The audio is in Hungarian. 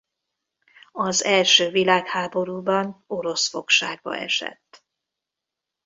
Az első világháborúban orosz fogságba esett.